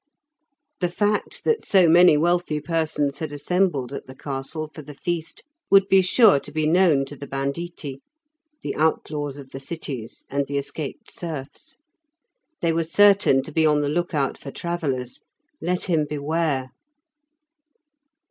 The fact that so many wealthy persons had assembled at the castle for the feast would be sure to be known to the banditti (the outlaws of the cities and the escaped serfs). They were certain to be on the look out for travellers; let him beware.